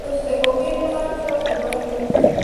Avena: nombre antiguo de una especie de gramínea.